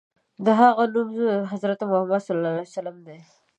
د هغه نوم حضرت محمد ص دی.